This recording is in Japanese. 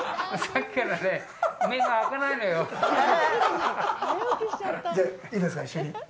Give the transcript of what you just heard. さっきからね